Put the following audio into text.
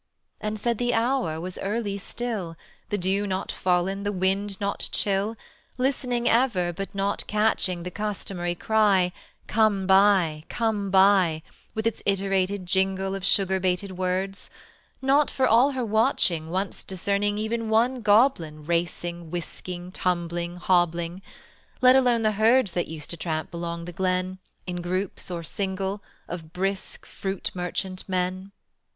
And said the hour was early still, The dew not fallen, the wind not chill: Listening ever, but not catching The customary cry, "Come buy, come buy," With its iterated jingle Of sugar baited words: Not for all her watching Once discerning even one goblin Racing, whisking, tumbling, hobbling; Let alone the herds That used to tramp along the glen, In groups or single, Of brisk fruit merchant men.